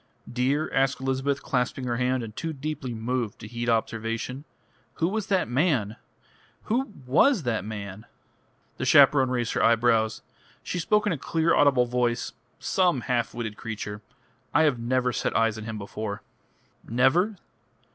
"Dear," asked Elizabeth, clasping her hand, and too deeply moved to heed observation, "who was that man? Who was that man?" The chaperone raised her eyebrows. She spoke in a clear, audible voice. "Some half witted creature. I have never set eyes on him before." "Never?"